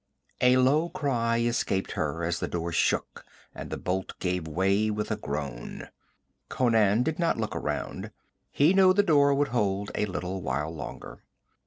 A low cry escaped her as the door shook and a bolt gave way with a groan. Conan did not look around. He knew the door would hold a little while longer.